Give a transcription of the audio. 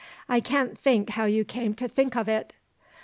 I can't think how you came to think of it."